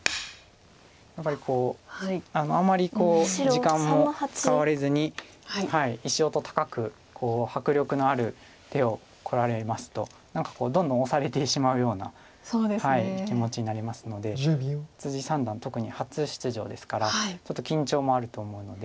時間も使われずに石音高く迫力のある手をこられますと何かどんどん押されてしまうような気持ちになりますので三段特に初出場ですからちょっと緊張もあると思うので。